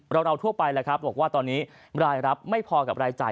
เราทั่วไปแล้วครับบอกว่าตอนนี้รายรับไม่พอกับรายจ่าย